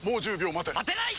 待てない！